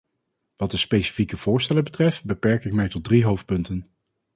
Wat de specifieke voorstellen betreft, beperk ik mij tot drie hoofdpunten.